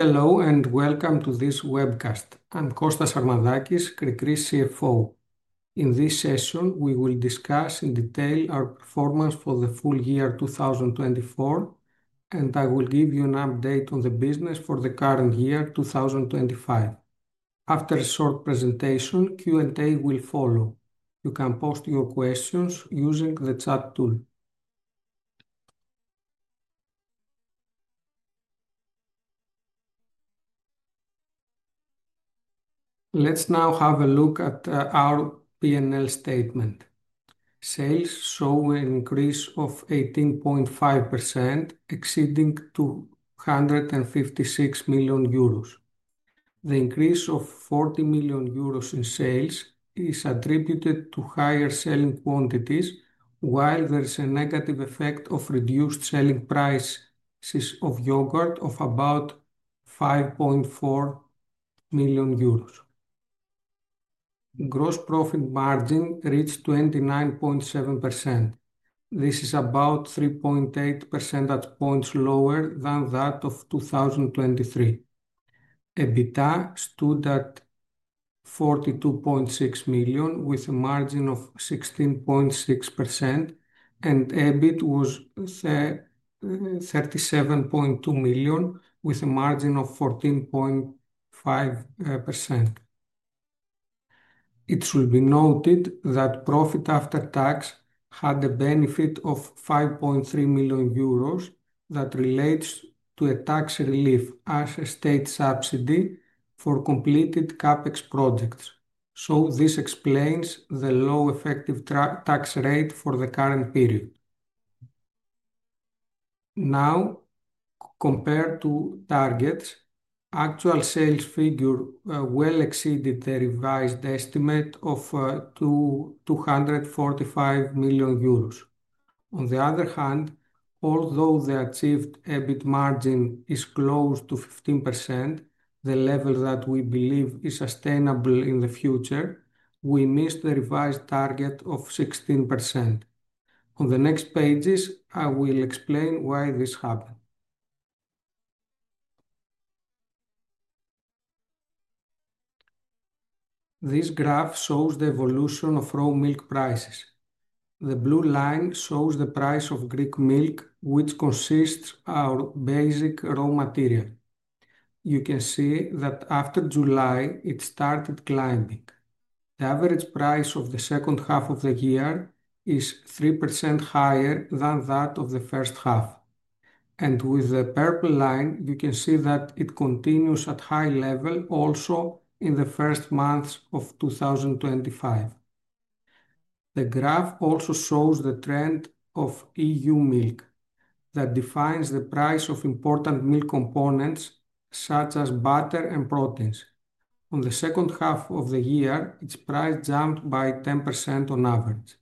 Hello and welcome to this webcast. I'm Konstantinos Sarmadakis, Kri Kri CFO. In this session, we will discuss in detail our performance for the full year 2024, and I will give you an update on the business for the current year, 2025. After a short presentation, Q&A will follow. You can post your questions using the chat tool. Let's now have a look at our P&L statement. Sales show an increase of 18.5%, exceeding 256 million euros. The increase of 40 million euros in sales is attributed to higher selling quantities, while there is a negative effect of reduced selling prices of yogurt of about 5.4 million euros. Gross profit margin reached 29.7%. This is about 3.8 percentage points lower than that of 2023. EBITDA stood at 42.6 million, with a margin of 16.6%, and EBIT was 37.2 million, with a margin of 14.5%. It should be noted that profit after tax had a benefit of 5.3 million euros that relates to a tax relief as a state subsidy for completed CapEx projects. This explains the low effective tax rate for the current period. Now, compared to targets, actual sales figure well exceeded the revised estimate of 245 million euros. On the other hand, although the achieved EBIT margin is close to 15%, the level that we believe is sustainable in the future, we missed the revised target of 16%. On the next pages, I will explain why this happened. This graph shows the evolution of raw milk prices. The blue line shows the price of Greek milk, which consists of our basic raw material. You can see that after July, it started climbing. The average price of the second half of the year is 3% higher than that of the first half. With the purple line, you can see that it continues at a high level also in the first months of 2025. The graph also shows the trend of E.U. milk that defines the price of important milk components such as butter and proteins. On the second half of the year, its price jumped by 10% on average.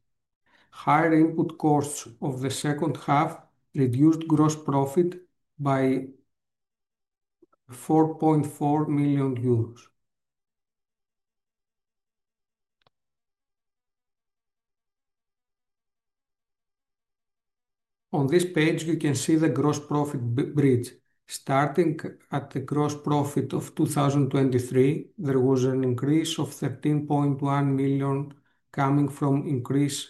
Higher input costs of the second half reduced gross profit by 4.4 million euros. On this page, you can see the gross profit bridge. Starting at the gross profit of 2023, there was an increase of 13.1 million coming from increased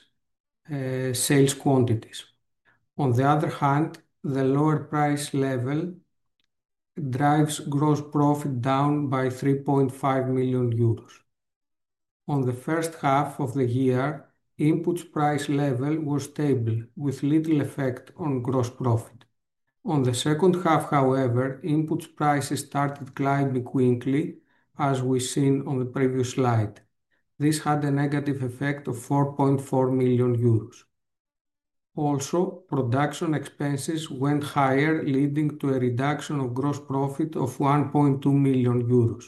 sales quantities. On the other hand, the lower price level drives gross profit down by 3.5 million euros. On the first half of the year, input price level was stable, with little effect on gross profit. On the second half, however, input prices started climbing quickly, as we've seen on the previous slide. This had a negative effect of 4.4 million euros. Also, production expenses went higher, leading to a reduction of gross profit of 1.2 million euros.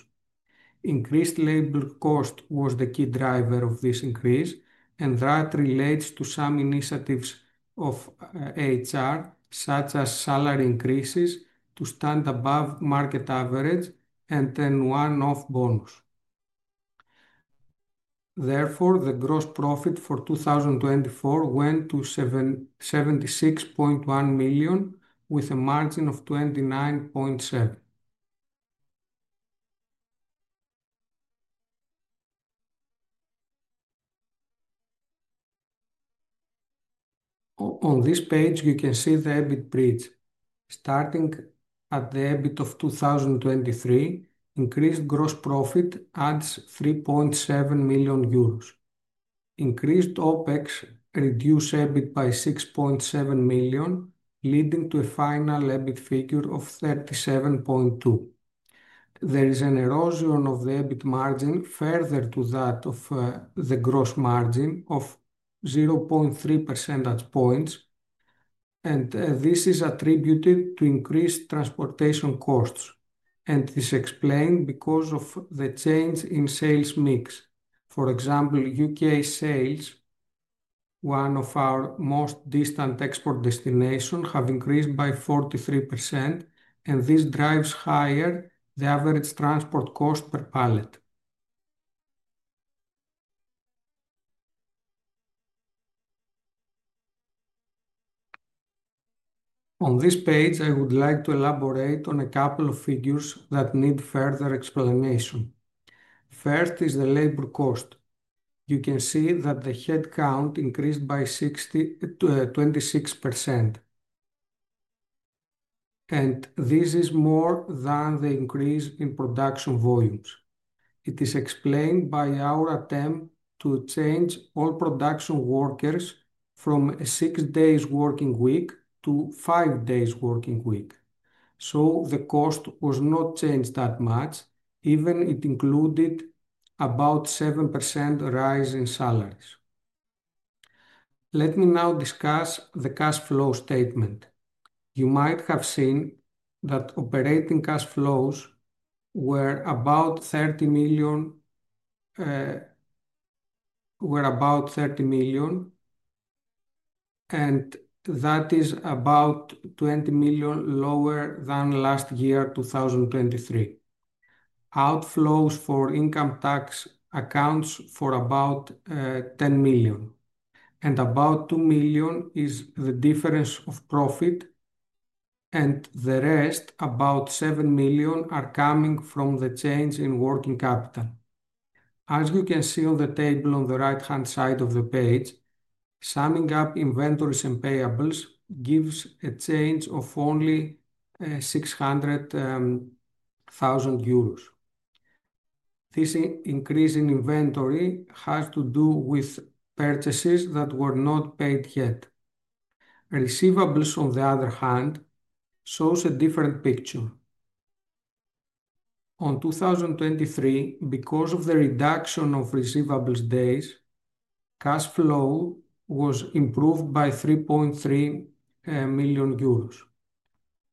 Increased labor cost was the key driver of this increase, and that relates to some initiatives of HR, such as salary increases to stand above market average and then one-off bonus. Therefore, the gross profit for 2024 went to 76.1 million, with a margin of 29.7%. On this page, you can see the EBIT bridge. Starting at the EBIT of 2023, increased gross profit adds 3.7 million euros. Increased OPEX reduced EBIT by 6.7 million, leading to a final EBIT figure of 37.2 million. There is an erosion of the EBIT margin further to that of the gross margin of 0.3 percentage points, and this is attributed to increased transportation costs. This is explained because of the change in sales mix. For example, U.K. sales, one of our most distant export destinations, have increased by 43%, and this drives higher the average transport cost per pallet. On this page, I would like to elaborate on a couple of figures that need further explanation. First is the labor cost. You can see that the headcount increased by 26%. And this is more than the increase in production volumes. It is explained by our attempt to change all production workers from a six-day working week to five-day working week. So the cost was not changed that much, even it included about a 7% rise in salaries. Let me now discuss the cash flow statement. You might have seen that operating cash flows were about 30 million, and that is about 20 million lower than last year, 2023. Outflows for income tax accounts for about 10 million. About 2 million is the difference of profit, and the rest, about 7 million, are coming from the change in working capital. As you can see on the table on the right-hand side of the page, summing up inventories and payables gives a change of only 600,000 euros. This increase in inventory has to do with purchases that were not paid yet. Receivables, on the other hand, shows a different picture. In 2023, because of the reduction of receivables days, cash flow was improved by 3.3 million euros.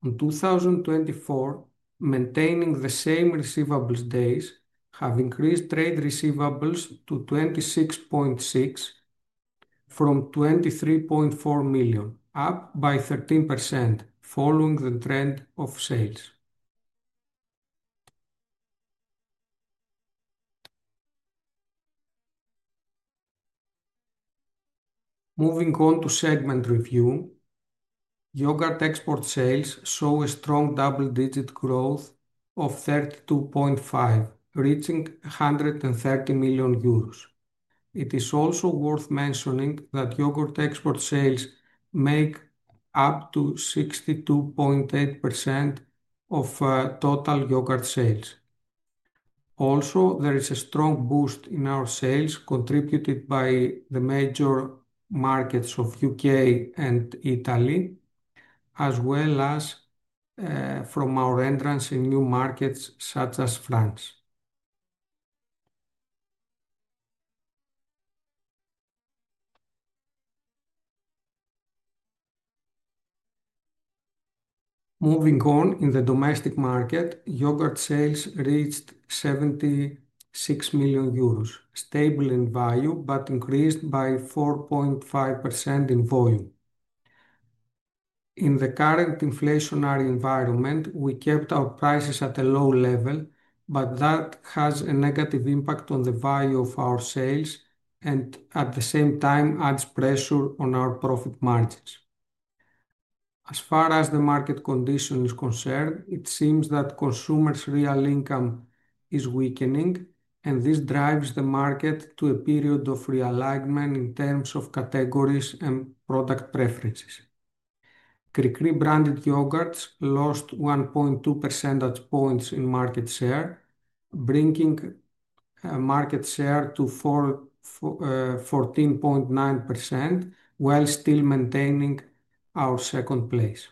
In 2024, maintaining the same receivables days has increased trade receivables to 26.6 million from 23.4 million, up by 13% following the trend of sales. Moving on to segment review, yogurt export sales show a strong double-digit growth of 32.5 million, reaching 130 million euros. It is also worth mentioning that yogurt export sales make up to 62.8% of total yogurt sales. Also, there is a strong boost in our sales, contributed by the major markets of the U.K. and Italy, as well as from our entrance in new markets such as France. Moving on, in the domestic market, yogurt sales reached 76 million euros, stable in value, but increased by 4.5% in volume. In the current inflationary environment, we kept our prices at a low level, but that has a negative impact on the value of our sales and, at the same time, adds pressure on our profit margins. As far as the market condition is concerned, it seems that consumers' real income is weakening, and this drives the market to a period of realignment in terms of categories and product preferences. Kri Kri branded yogurts lost 1.2 percentage points in market share, bringing market share to 14.9%, while still maintaining our second place.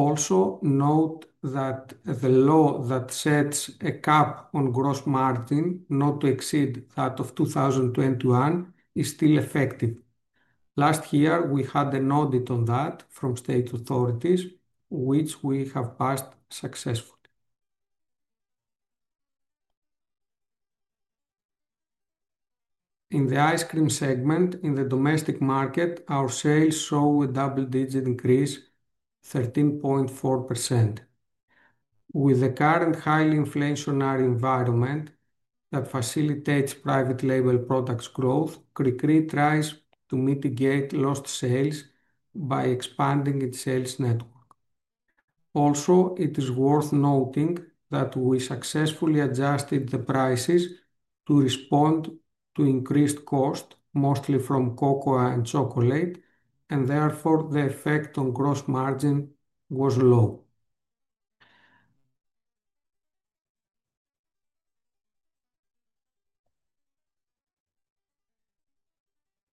Also, note that the law that sets a cap on gross margin not to exceed that of 2021 is still effective. Last year, we had an audit on that from state authorities, which we have passed successfully. In the ice cream segment, in the domestic market, our sales show a double-digit increase, 13.4%. With the current highly inflationary environment that facilitates private label products' growth, Kri Kri tries to mitigate lost sales by expanding its sales network. Also, it is worth noting that we successfully adjusted the prices to respond to increased costs, mostly from cocoa and chocolate, and therefore the effect on gross margin was low.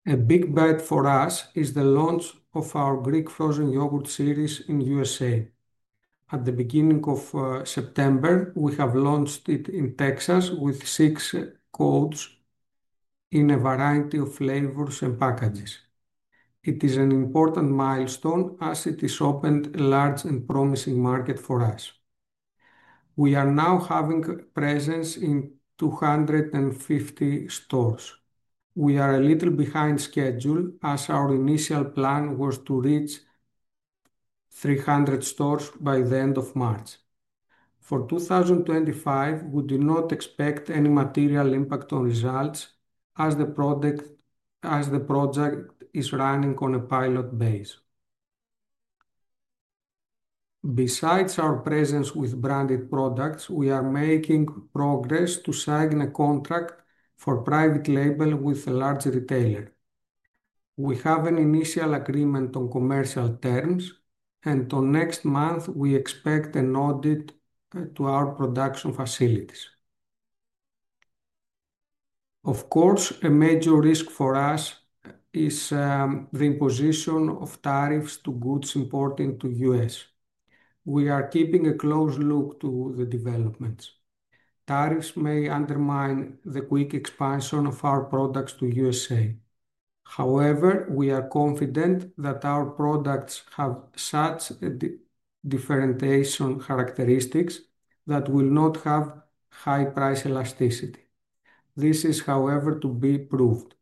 A big bet for us is the launch of our Greek frozen yogurt series in the U.S.A. At the beginning of September, we have launched it in Texas with six codes in a variety of flavors and packages. It is an important milestone as it has opened a large and promising market for us. We are now having presence in 250 stores. We are a little behind schedule, as our initial plan was to reach 300 stores by the end of March. For 2025, we do not expect any material impact on results as the project is running on a pilot base. Besides our presence with branded products, we are making progress to sign a contract for private label with a large retailer. We have an initial agreement on commercial terms, and next month we expect an audit to our production facilities. Of course, a major risk for us is the imposition of tariffs to goods importing to the U.S. We are keeping a close look to the developments. Tariffs may undermine the quick expansion of our products to the U.S.A. However, we are confident that our products have such differentiation characteristics that will not have high price elasticity. This is, however, to be proved.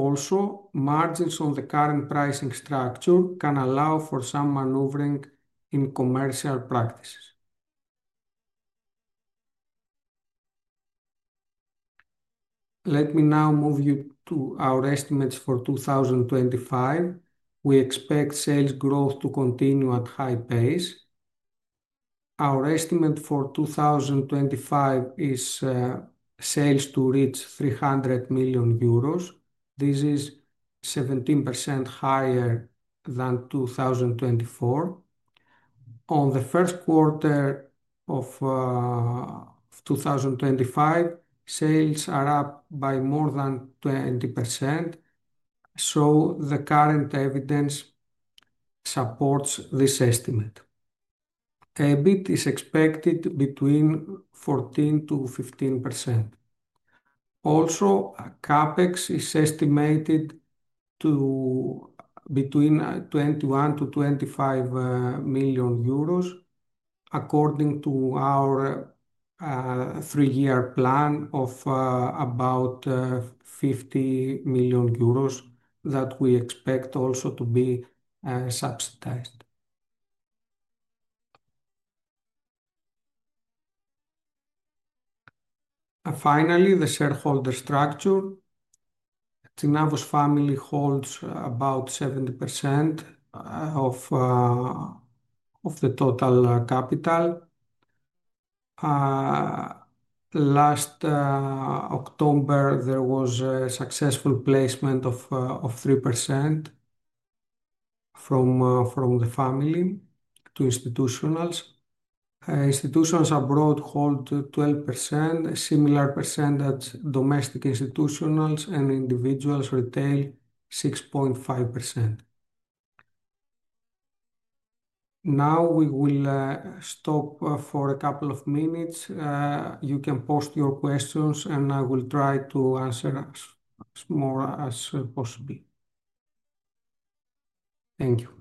Also, margins on the current pricing structure can allow for some maneuvering in commercial practices. Let me now move you to our estimates for 2025. We expect sales growth to continue at a high pace. Our estimate for 2025 is sales to reach 300 million euros. This is 17% higher than 2024. On the first quarter of 2025, sales are up by more than 20%. The current evidence supports this estimate. EBIT is expected between 14%-15%. Also, CapEx is estimated to be between 21 million-25 million euros, according to our three-year plan of about 50 million euros that we expect also to be subsidized. Finally, the shareholder structure. Tsinavos family holds about 70% of the total capital. Last October, there was a successful placement of 3% from the family to institutional. Institutions abroad hold 12%, a similar percentage domestic institutional and individuals, retail 6.5%. Now we will stop for a couple of minutes. You can post your questions, and I will try to answer as much as possible. Thank you.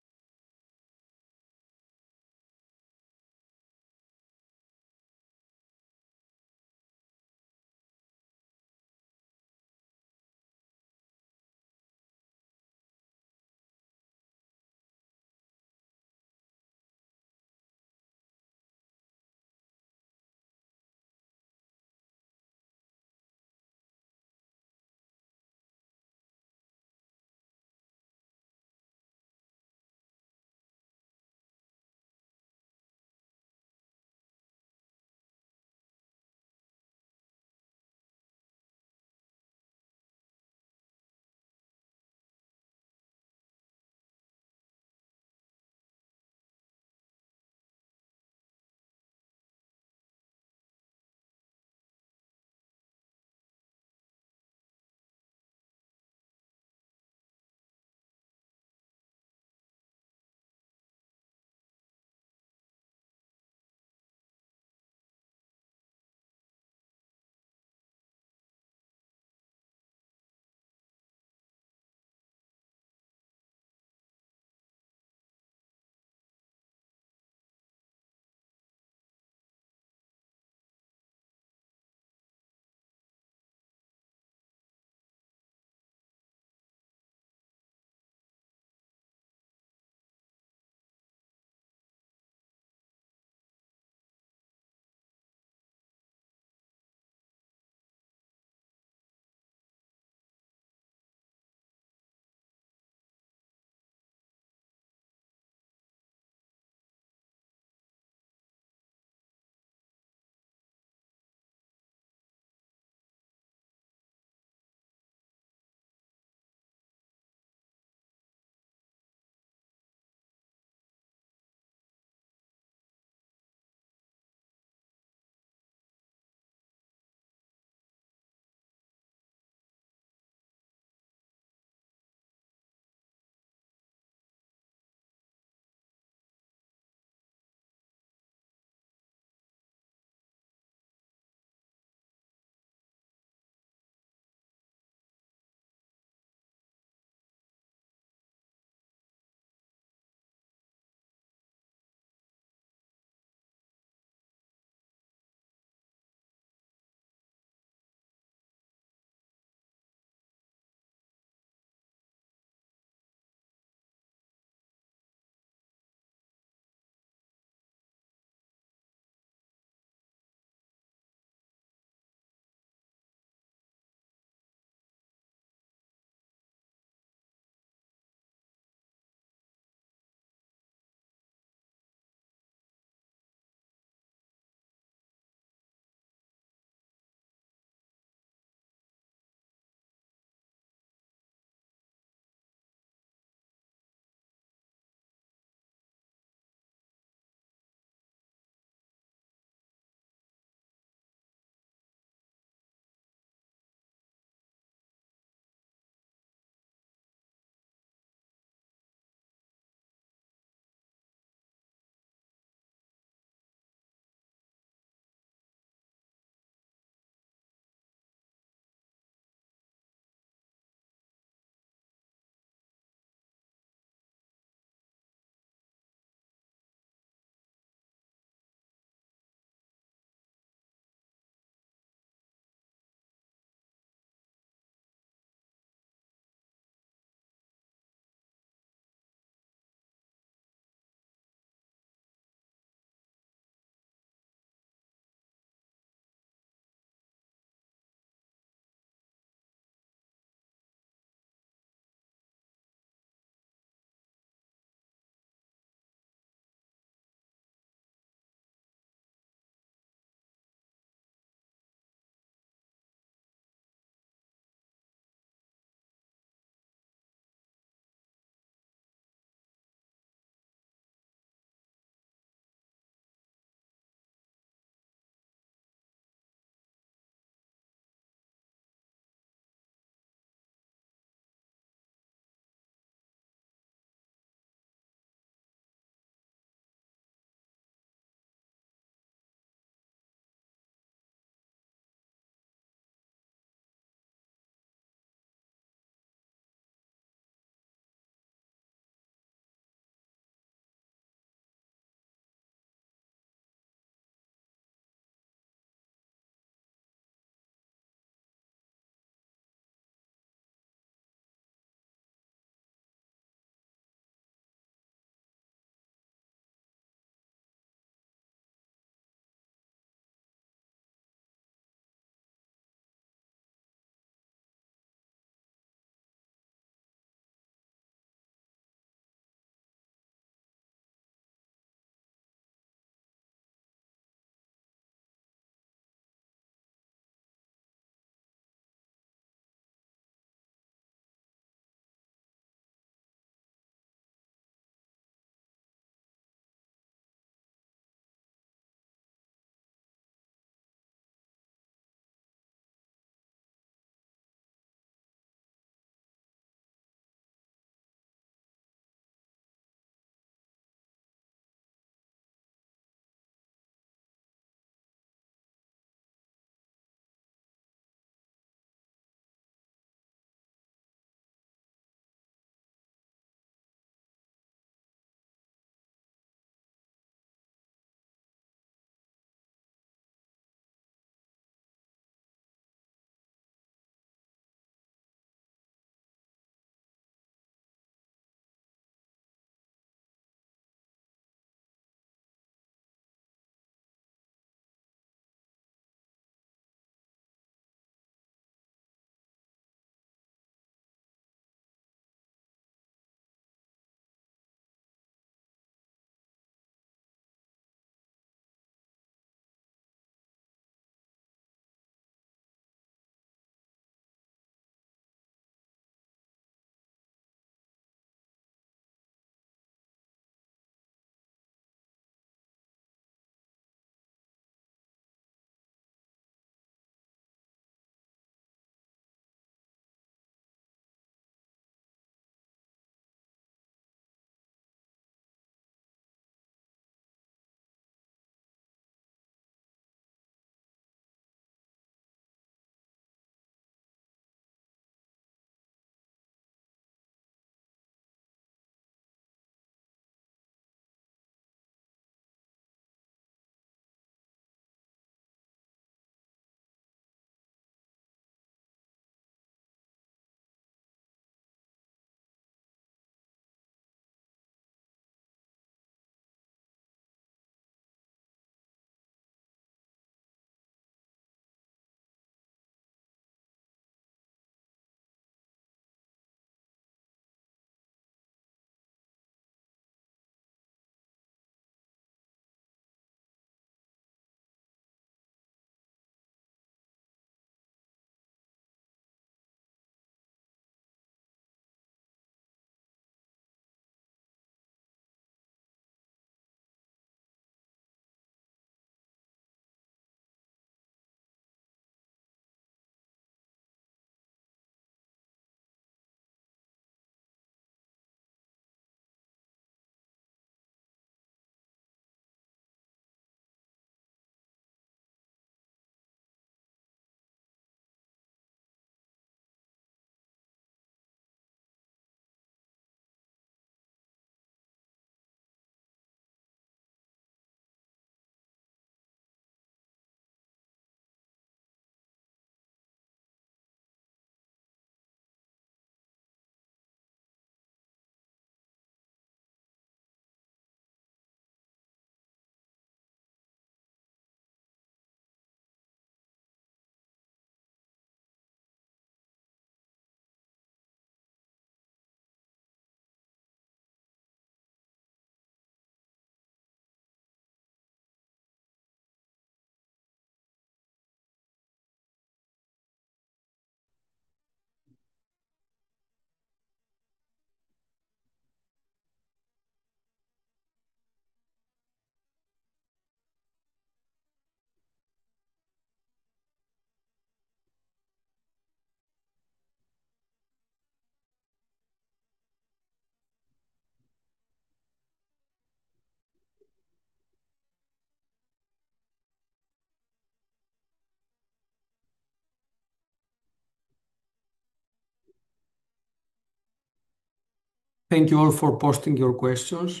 Thank you all for posting your questions.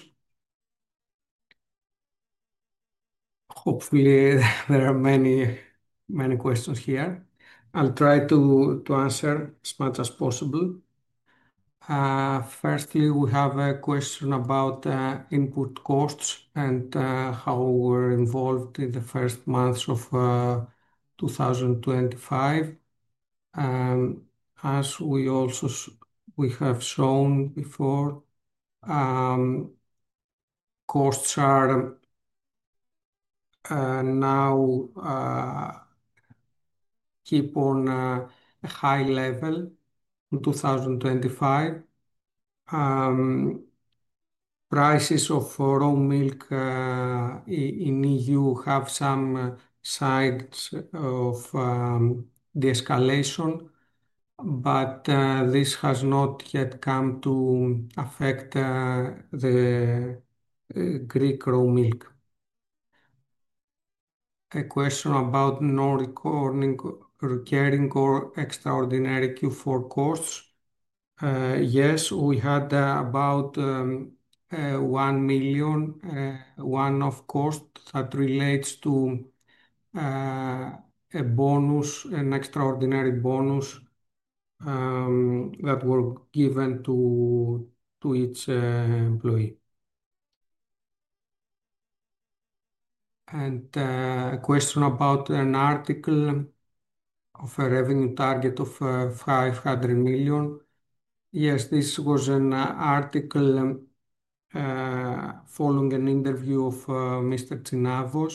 Hopefully, there are many, many questions here. I'll try to answer as much as possible. Firstly, we have a question about input costs and how we're involved in the first months of 2025. As we also have shown before, costs are now keeping on a high level in 2025. Prices of raw milk in the E.U. have some signs of de-escalation, but this has not yet come to affect the Greek raw milk. A question about non-recurring or extraordinary Q4 costs. Yes, we had about 1 million of cost that relates to a bonus, an extraordinary bonus that was given to each employee. A question about an article of a revenue target of 500 million. Yes, this was an article following an interview of Mr. Tsinavos.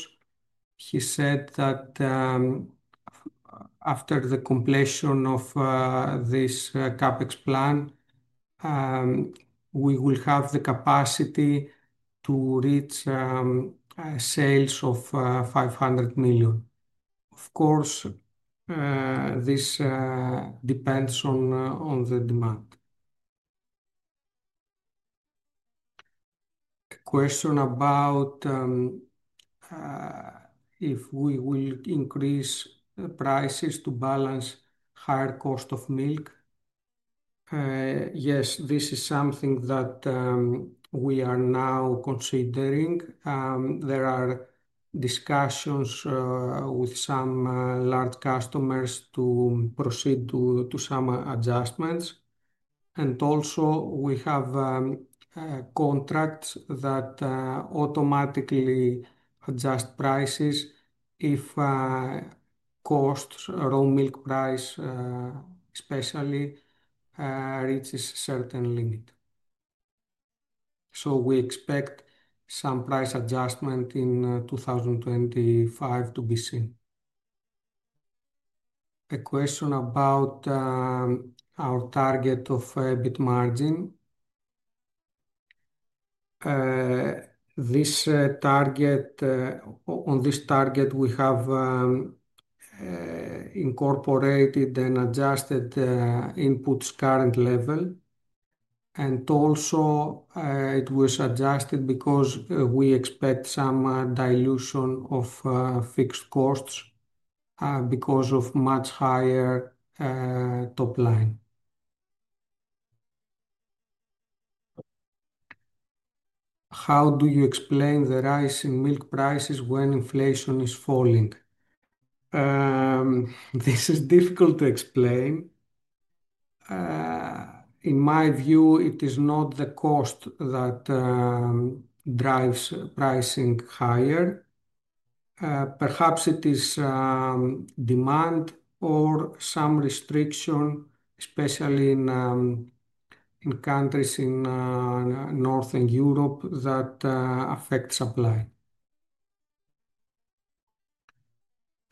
He said that after the completion of this CapEx plan, we will have the capacity to reach sales of 500 million. Of course, this depends on the demand. A question about if we will increase prices to balance higher cost of milk. Yes, this is something that we are now considering. There are discussions with some large customers to proceed to some adjustments. Also, we have contracts that automatically adjust prices if raw milk price, especially, reaches a certain limit. We expect some price adjustment in 2025 to be seen. A question about our target of EBIT margin. On this target, we have incorporated and adjusted inputs' current level. It was also adjusted because we expect some dilution of fixed costs because of much higher top line. How do you explain the rise in milk prices when inflation is falling? This is difficult to explain. In my view, it is not the cost that drives pricing higher. Perhaps it is demand or some restriction, especially in countries in Northern Europe that affect supply.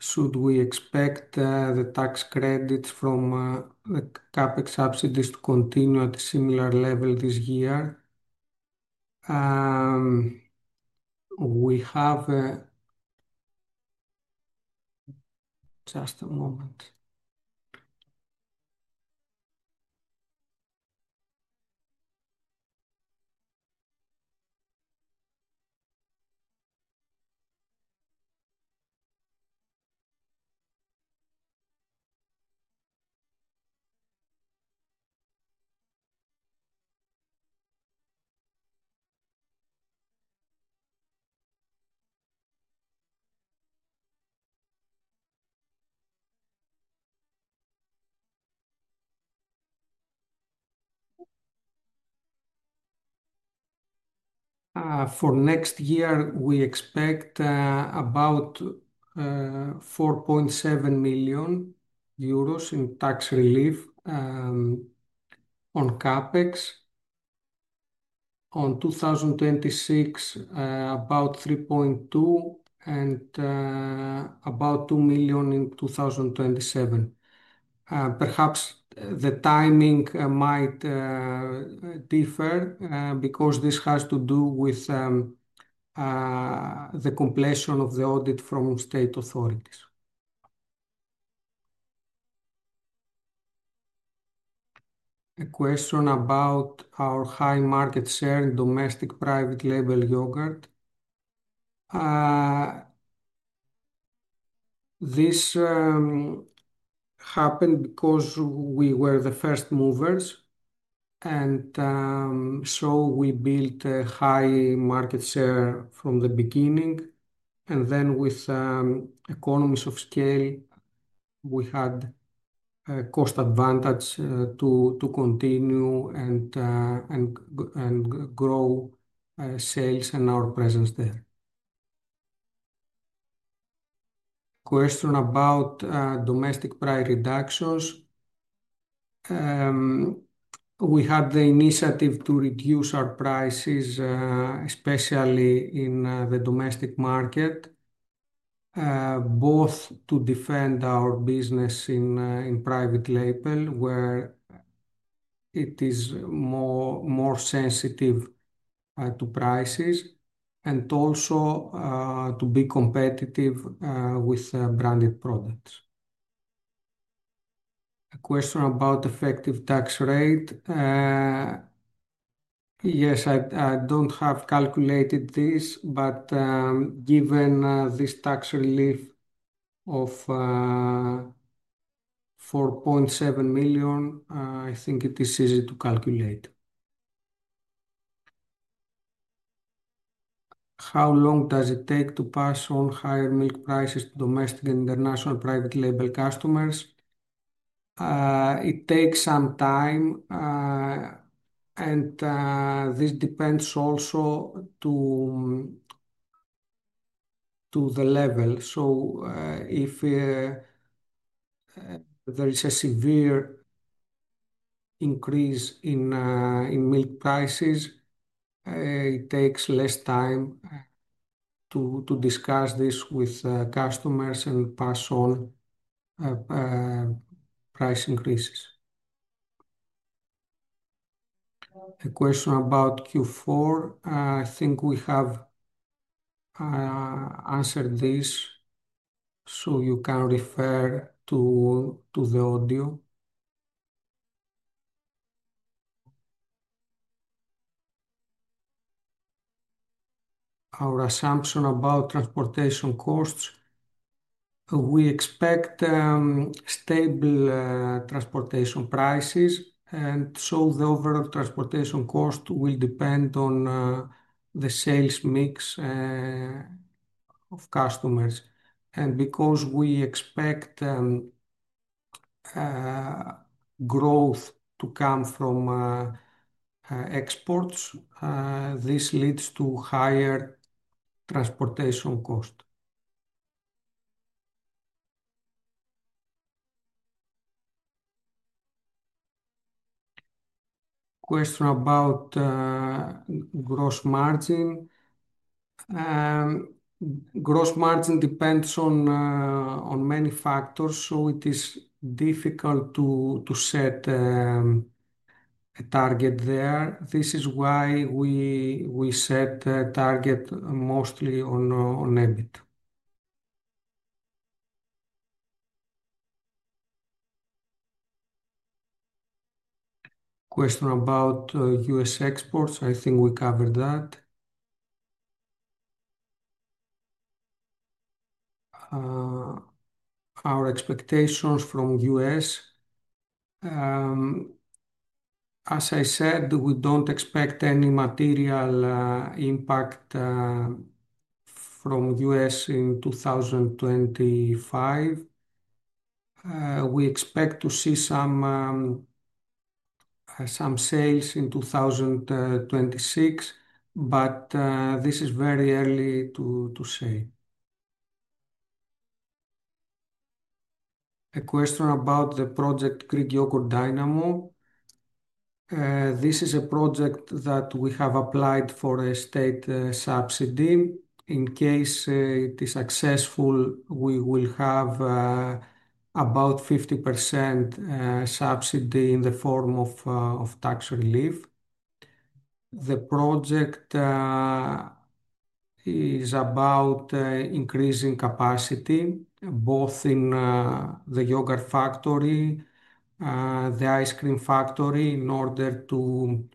Should we expect the tax credits from the CapEx subsidies to continue at a similar level this year? We have a—just a moment. For next year, we expect about 4.7 million euros in tax relief on CapEx. On 2026, about 3.2 million and about 2 million in 2027. Perhaps the timing might differ because this has to do with the completion of the audit from state authorities. A question about our high market share in domestic private label yogurt. This happened because we were the first movers. We built a high market share from the beginning. With economies of scale, we had a cost advantage to continue and grow sales and our presence there. Question about domestic price reductions. We had the initiative to reduce our prices, especially in the domestic market, both to defend our business in private label, where it is more sensitive to prices, and also to be competitive with branded products. A question about effective tax rate. Yes, I do not have calculated this, but given this tax relief of 4.7 million, I think it is easy to calculate. How long does it take to pass on higher milk prices to domestic and international private label customers? It takes some time. This depends also on the level. If there is a severe increase in milk prices, it takes less time to discuss this with customers and pass on price increases. A question about Q4. I think we have answered this, so you can refer to the audio. Our assumption about transportation costs. We expect stable transportation prices. The overall transportation cost will depend on the sales mix of customers. Because we expect growth to come from exports, this leads to higher transportation cost. Question about gross margin. Gross margin depends on many factors, so it is difficult to set a target there. This is why we set a target mostly on EBIT. Question about U.S. exports. I think we covered that. Our expectations from the U.S. As I said, we do not expect any material impact from the U.S. in 2025. We expect to see some sales in 2026, but this is very early to say. A question about the project Greek yogurt Dynamo. This is a project that we have applied for a state subsidy. In case it is successful, we will have about 50% subsidy in the form of tax relief. The project is about increasing capacity, both in the yogurt factory, the ice cream factory, in order to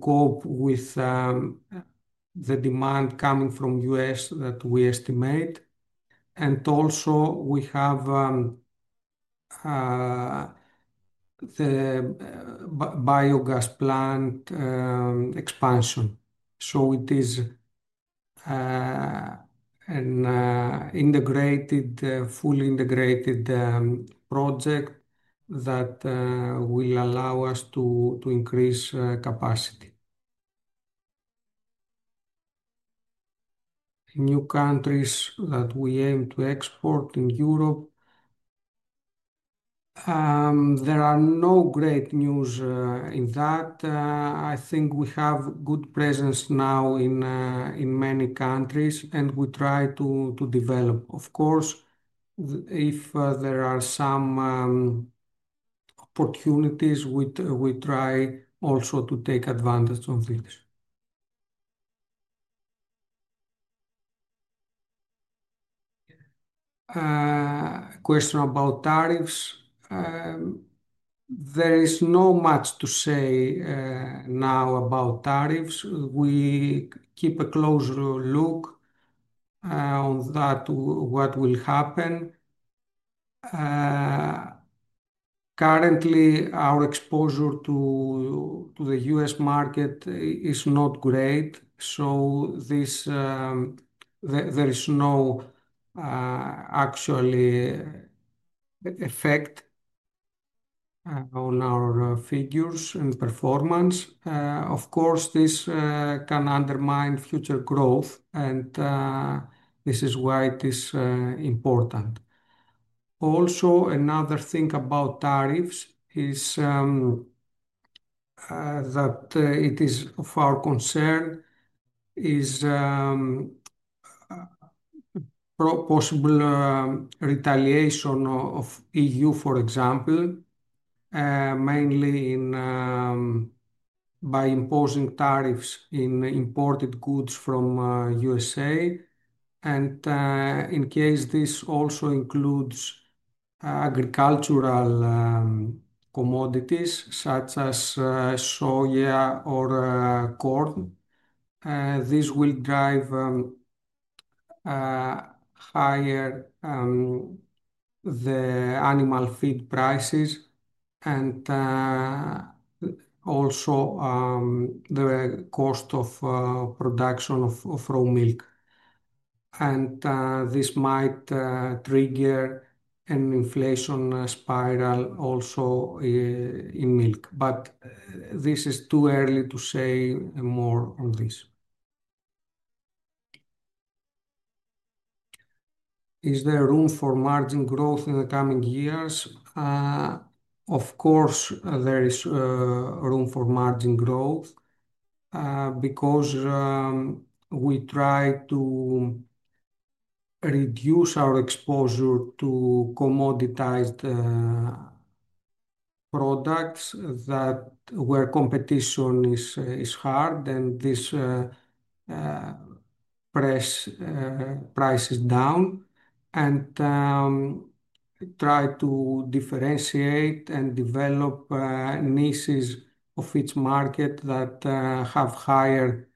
cope with the demand coming from the U.S. that we estimate. Also, we have the biogas plant expansion. It is an integrated, fully integrated project that will allow us to increase capacity. New countries that we aim to export in Europe. There are no great news in that. I think we have a good presence now in many countries, and we try to develop. Of course, if there are some opportunities, we try also to take advantage of these. A question about tariffs. There is not much to say now about tariffs. We keep a closer look on what will happen. Currently, our exposure to the U.S. market is not great. So there is no actual effect on our figures and performance. Of course, this can undermine future growth, and this is why it is important. Also, another thing about tariffs is that it is of our concern, is possible retaliation of the E.U. for example, mainly by imposing tariffs on imported goods from the U.S.A. In case this also includes agricultural commodities such as soya or corn, this will drive higher the animal feed prices and also the cost of production of raw milk. This might trigger an inflation spiral also in milk. This is too early to say more on this. Is there room for margin growth in the coming years? Of course, there is room for margin growth because we try to reduce our exposure to commoditized products where competition is hard and this presses down. We try to differentiate and develop niches of each market that have higher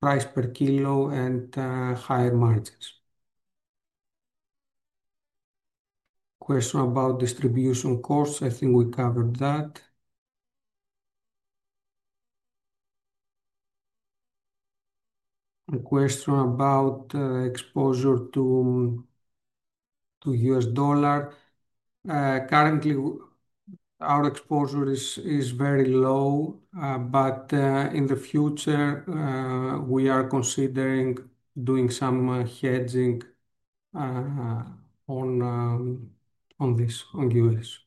price per kilo and higher margins. Question about distribution costs. I think we covered that. A question about exposure to the U.S. dollar. Currently, our exposure is very low, but in the future, we are considering doing some hedging on this, on the U.S.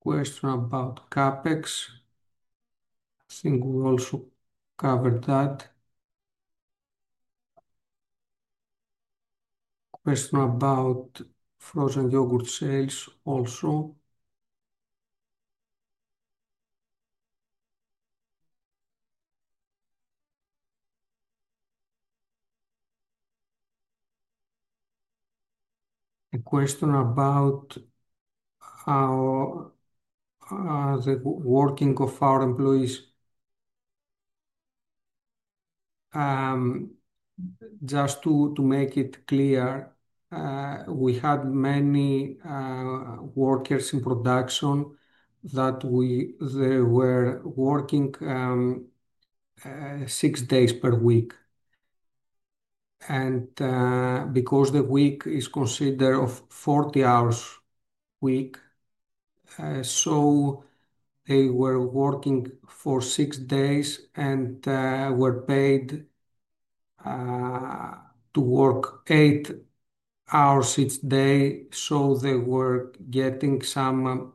Question about CapEx. I think we also covered that. Question about frozen yogurt sales also. A question about the working of our employees. Just to make it clear, we had many workers in production that were working six days per week. Because the week is considered 40 hours a week, they were working for six days and were paid to work eight hours each day. They were getting some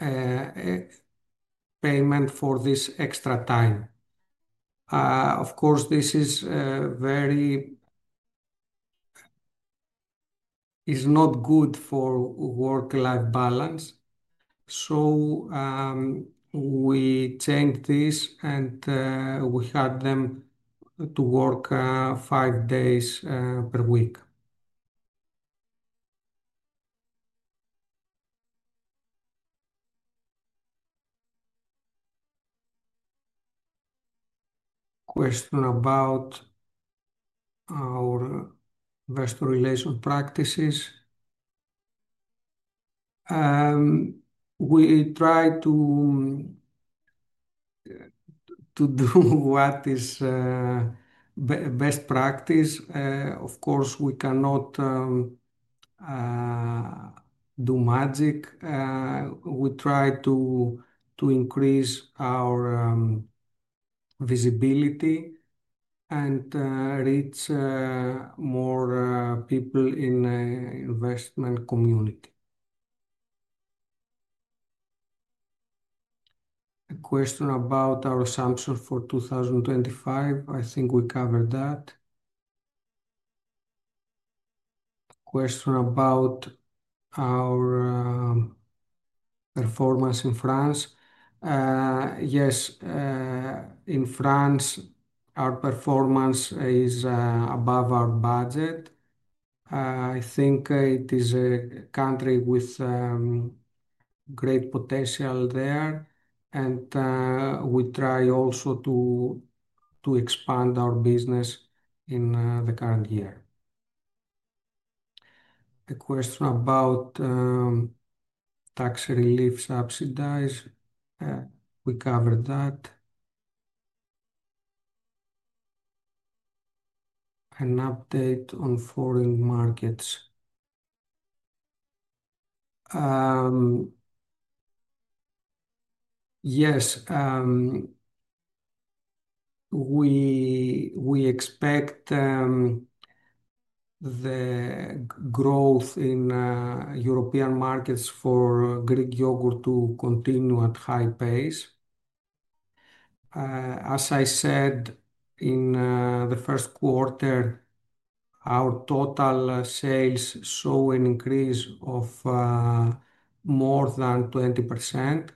payment for this extra time. Of course, this is not good for work-life balance. We changed this, and we had them work five days per week. Question about our best relation practices. We try to do what is best practice. Of course, we cannot do magic. We try to increase our visibility and reach more people in the investment community. A question about our assumption for 2025. I think we covered that. Question about our performance in France. Yes, in France, our performance is above our budget. I think it is a country with great potential there. We try also to expand our business in the current year. A question about tax relief subsidies. We covered that. An update on foreign markets. Yes. We expect the growth in European markets for Greek yogurt to continue at a high pace. As I said, in the first quarter, our total sales saw an increase of more than 20%.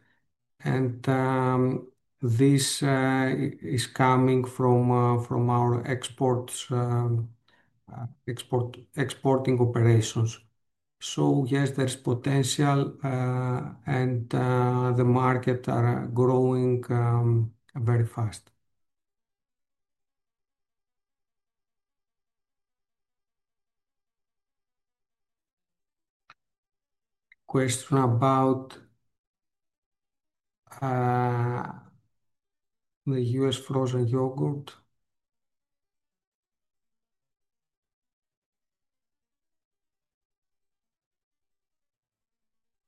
This is coming from our exporting operations. Yes, there is potential, and the markets are growing very fast. Question about the U.S. frozen yogurt.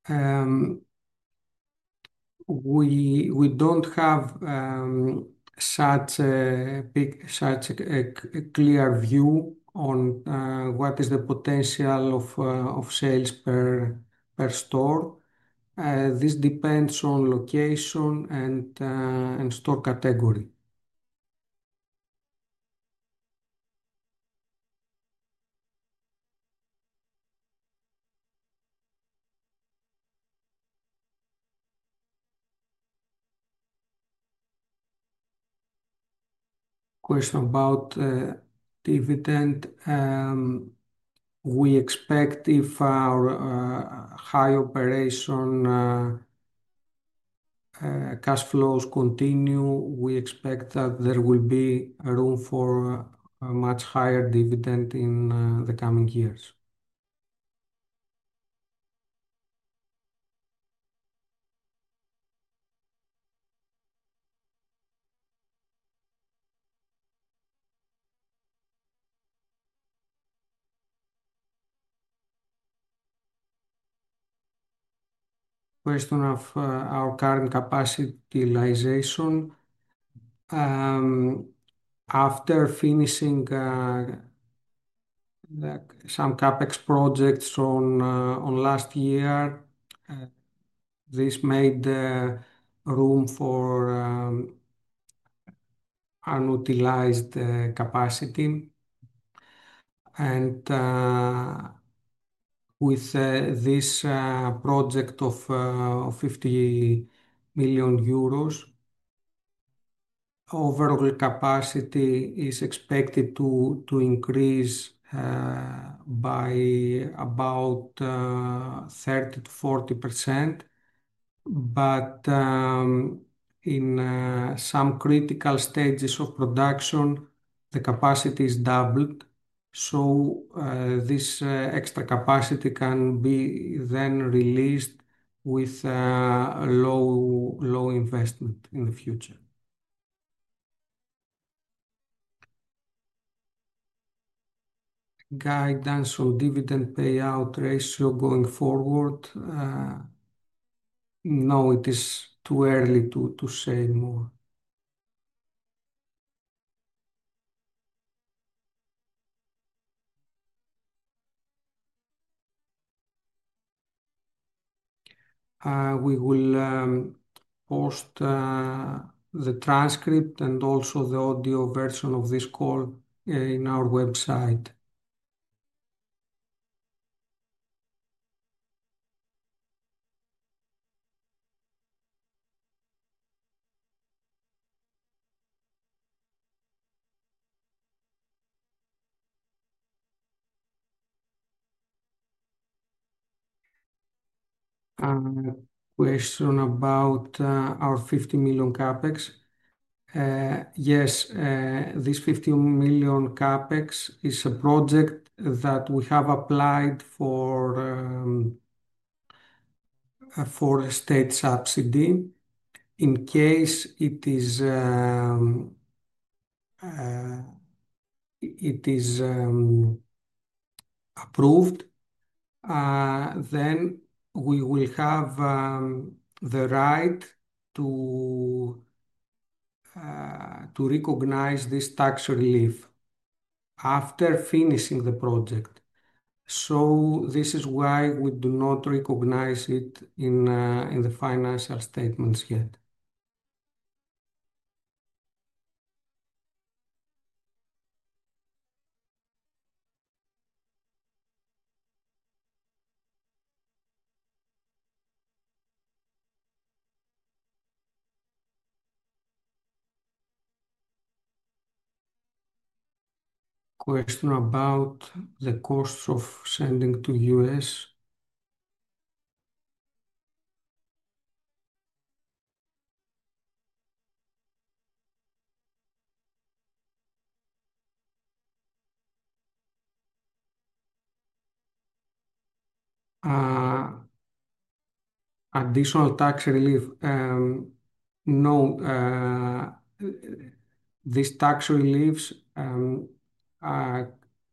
We do not have such a clear view on what is the potential of sales per store. This depends on location and store category. Question about dividend. We expect if our high operation cash flows continue, we expect that there will be room for a much higher dividend in the coming years. Question of our current capacity utilization. After finishing some CapEx projects last year, this made room for unutilized capacity. With this project of 50 million euros, overall capacity is expected to increase by about 30%-40%. In some critical stages of production, the capacity is doubled. This extra capacity can then be released with low investment in the future. Guidance on dividend payout ratio going forward. No, it is too early to say more. We will post the transcript and also the audio version of this call on our website. Question about our 50 million CapEx. Yes, this EUR 50 million CapEx is a project that we have applied for state subsidy. In case it is approved, we will have the right to recognize this tax relief after finishing the project. This is why we do not recognize it in the financial statements yet. Question about the cost of sending to the U.S. additional tax relief. No, this tax relief,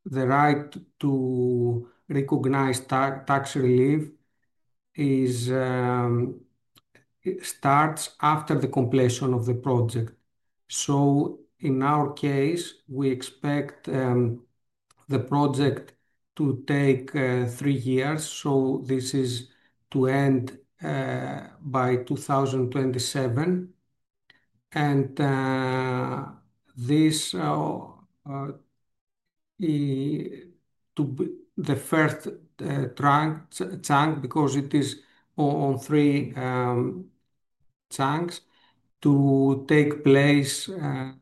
the right to recognize tax relief, starts after the completion of the project. In our case, we expect the project to take three years. This is to end by 2027. The first chunk, because it is in three chunks, will take place in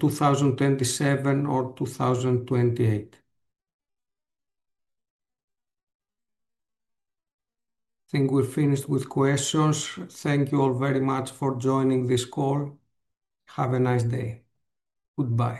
2027 or 2028. I think we're finished with questions. Thank you all very much for joining this call. Have a nice day. Goodbye.